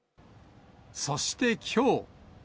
そしてきょう。